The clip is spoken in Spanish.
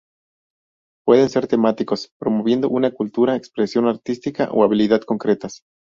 Pueden ser temáticos, promoviendo una cultura, expresión artística o habilidad concretas.